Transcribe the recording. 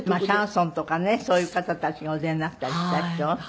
シャンソンとかねそういう方たちがお出になったりしてたでしょ。